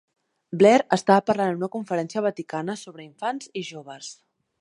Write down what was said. Blair estava parlant en una conferència vaticana sobre infants i joves.